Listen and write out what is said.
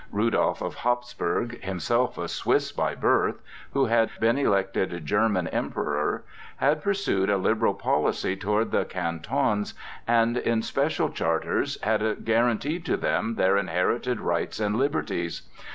Rudolph of Hapsburg, himself a Swiss by birth, who had been elected German Emperor, had pursued a liberal policy toward the Cantons and in special charters had guaranteed to them their inherited rights and liberties.